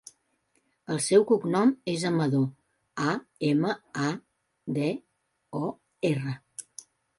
El seu cognom és Amador: a, ema, a, de, o, erra.